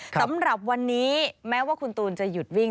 สำหรับวันนี้แม้ว่าคุณตูนจะหยุดวิ่ง